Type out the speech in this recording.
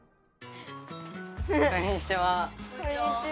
こんにちは。